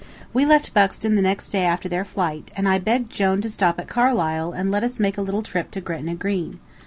We left Buxton the next day after their flight, and I begged Jone to stop at Carlisle and let us make a little trip to Gretna Green.